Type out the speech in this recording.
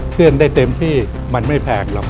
เครื่องได้เต็มที่มันไม่แพงหรอก